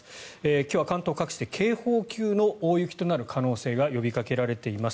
今日は関東各地で警報級の大雪となる可能性が呼びかけられています。